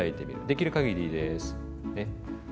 できるかぎりでいいですね。